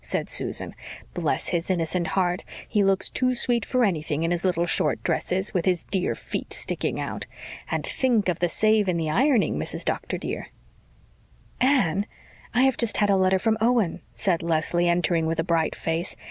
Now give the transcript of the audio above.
said Susan. "Bless his innocent heart, he looks too sweet for anything in his little short dresses, with his dear feet sticking out. And think of the save in the ironing, Mrs. Doctor, dear." "Anne, I have just had a letter from Owen," said Leslie, entering with a bright face.